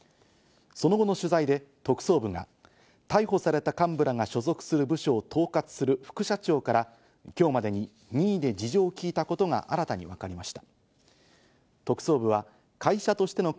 その後の取材で特捜部が逮捕された幹部らが所属する部署を統括する副社長から今日までに任意で事情を聞いたことが新たに分かりました。